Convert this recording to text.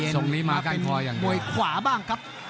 ส่งนี้มาก้านคออย่างเบา